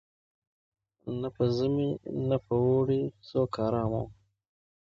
نه په ژمي نه په اوړي څوک آرام وو